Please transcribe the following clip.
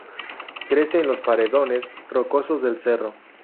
Crece en los paredones rocosos del cerro.